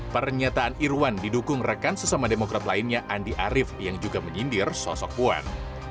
pernyataan irwan didukung rekan sesama demokrat lainnya andi arief yang juga menyindir sosok puan